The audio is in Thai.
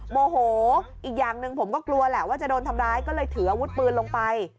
โมโหอีกอย่างหนึ่งผมก็กลัวแหละว่าจะโดนทำร้ายก็เลยถืออาวุธปืนลงไป